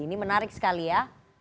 ini menarik sekali ya